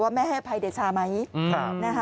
แม่ให้อภัยเดชาไหม